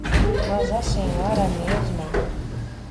Mas a senhora mesma...